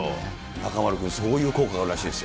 中丸君、そういう効果があるらしいですよ。